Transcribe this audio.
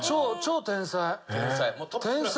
天才？